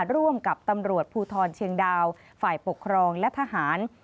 ร่วมกับตำรวจภูทรเชียงดาวฝ่ายปกครองและทหาร